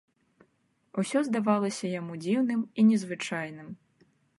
Усё здавалася яму дзіўным і незвычайным.